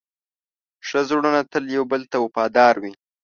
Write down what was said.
ښه زړونه تل یو بل ته وفادار وي.